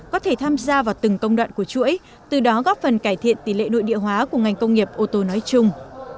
có thể tham gia vào từng công đoạn của chuỗi từ đó góp phần cải thiện tỷ lệ nội địa hóa của ngành công nghiệp ô tô nói chung